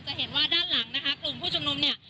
เห็นว่าด้านหลังนะคะกลุ่มผู้ชุมนุมเนี่ย